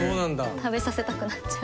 食べさせたくなっちゃう。